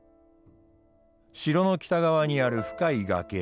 城の北側にある深い崖。